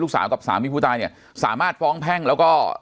สาวกับสามีผู้ตายเนี่ยสามารถฟ้องแพ่งแล้วก็